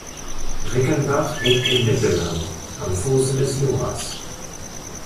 Rickenbach liegt im Mittelland am Fusse des Juras.